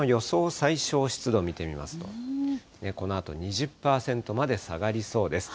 最小湿度見てみますと、このあと２０％まで下がりそうです。